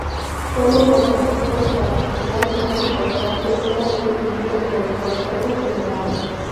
Sólo los asuntos particularmente importantes eran decididos por el consejo general.